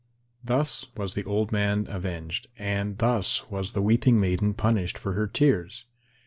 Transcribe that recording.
Thus was the old man avenged, and thus was the weeping maiden punished for her tears.